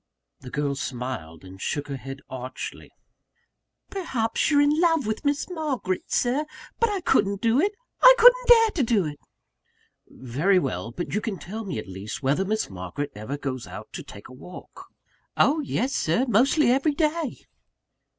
The girl smiled, and shook her head archly. "Perhaps you're in love with Miss Margaret, Sir! But I couldn't do it! I couldn't dare to do it!" "Very well; but you can tell me at least, whether Miss Margaret ever goes out to take a walk?" "Oh, yes, Sir; mostly every day."